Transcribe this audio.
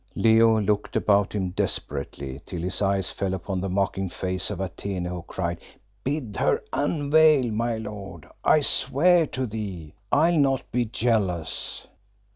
Leo looked about him desperately, till his eyes fell upon the mocking face of Atene, who cried "Bid her unveil, my lord. I swear to thee I'll not be jealous."